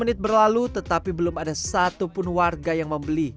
dua puluh menit berlalu tetapi belum ada satu pun warga yang mau beli